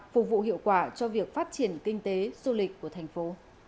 phục vụ hiệu quả cho việc phát triển kinh tế du lịch của thành phố